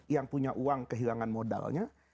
yang punya uang kehilangan modalnya